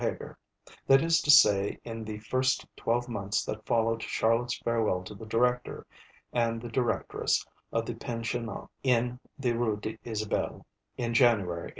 Heger_, that is to say in the first twelve months that followed Charlotte's farewell to the Director and the Directress of the Pensionnat in the Rue d'Isabelle, in January 1844.